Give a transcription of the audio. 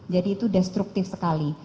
jadi itu destructive sekali